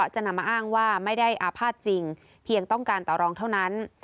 จะนำมาอ้างว่าไม่ได้อาภาษณ์จริงเพียงต้องการต่อรองเท่านั้น